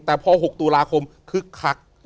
แต่พอ๖ตุลาคมคึกคัก